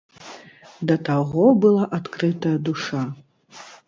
Да таго была адкрытая душа!